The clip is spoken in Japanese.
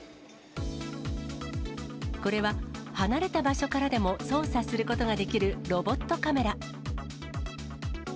これは離れた場所からでも操作することができるロボットカメラ。